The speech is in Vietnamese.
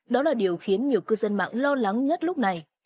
đó là điều khiến nhiều cư dân mạng lo lắng nhất lúc này